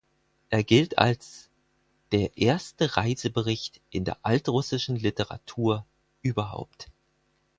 Er gilt als „der erste Reisebericht in der altrussischen Literatur überhaupt“.